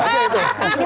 itu menarik ya